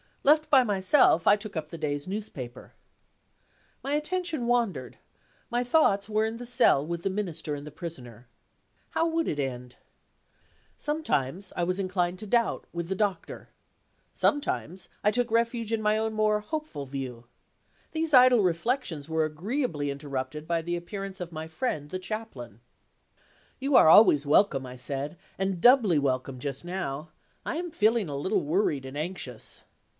Left by myself, I took up the day's newspaper. My attention wandered; my thoughts were in the cell with the Minister and the Prisoner. How would it end? Sometimes, I was inclined to doubt with the Doctor. Sometimes, I took refuge in my own more hopeful view. These idle reflections were agreeably interrupted by the appearance of my friend, the Chaplain. "You are always welcome," I said; "and doubly welcome just now. I am feeling a little worried and anxious."